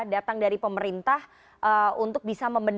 datang dari pemerintah untuk bisa membedakan